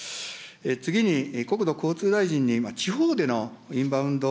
次に、国土交通大臣に、地方でのインバウンド